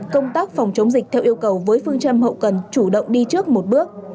công tác phòng chống dịch theo yêu cầu với phương châm hậu cần chủ động đi trước một bước